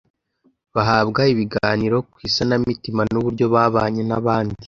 bahabwa ibiganiro ku isanamitima n uburyo babanye n abandi